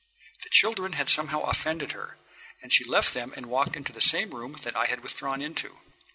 The children had somehow offended her, and she left them and walked into the same room that I had withdrawn into.